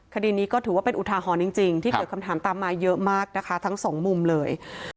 คดีนี้ก็ถือว่าเป็นอุทาหรณ์จริงที่เกิดคำถามตามมาเยอะมากนะคะทั้งสองมุมเลย